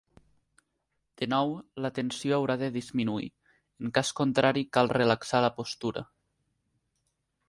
De nou, la tensió haurà de disminuir; en cas contrari cal relaxar la postura.